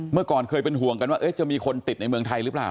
เมื่อก่อนเคยเป็นห่วงกันว่าจะมีคนติดในเมืองไทยหรือเปล่า